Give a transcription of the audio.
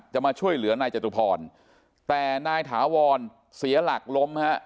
มาช่วยเหลือนายจตุพรแต่นายถาวรเสียหลักล้มฮะ